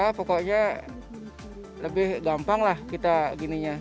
ya pokoknya lebih gampang lah kita gininya